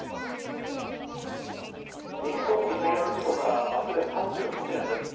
日航機墜落事故からあすで３８年です。